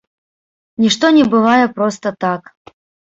Нішто не бывае проста так.